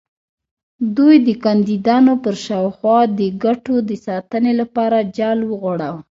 دوی د کاندیدانو پر شاوخوا د ګټو د ساتنې لپاره جال وغوړاوه.